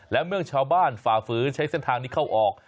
และเมื่อชาวบ้านฝ่าฝืนใช้เส้นทางนี้เข้าออก